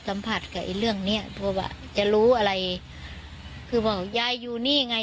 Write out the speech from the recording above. สัมผัสกับไอ้เรื่องเนี้ยเพราะว่าจะรู้อะไรคือบอกยายอยู่นี่ไง